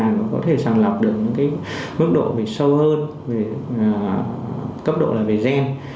nó có thể sàng lọc được mức độ sâu hơn cấp độ về gen